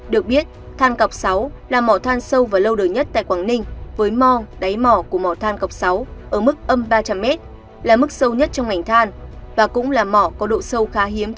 được biết than cọc sáu là mỏ than sâu và lâu đời nhất tại quảng ninh với mò đáy mỏ của mỏ than cọc sáu ở mức âm ba trăm linh m là mức sâu nhất trong ngành than và cũng là mỏ có độ sâu khá hiếm